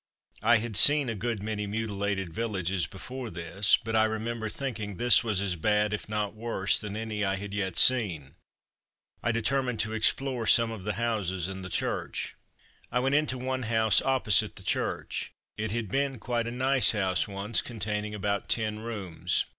I had seen a good many mutilated villages before this, but I remember thinking this was as bad, if not worse, than any I had yet seen. I determined to explore some of the houses and the church. I went into one house opposite the church. It had been quite a nice house once, containing about ten rooms.